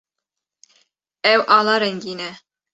Ew ala rengîn e.